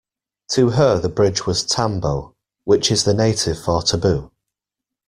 To her the bridge was tambo, which is the native for taboo.